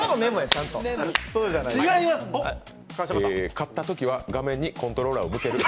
勝ったときは画面にコントローラー向ける。